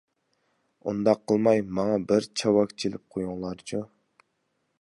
ئۇنداق قىلماي ماڭا بىر چاۋاك چېلىپ قۇيۇڭلارچۇ؟ !